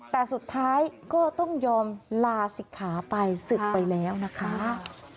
แต่สุดท้ายก็ต้องยอมลาศิกขาไปศึกไปแล้วนะคะ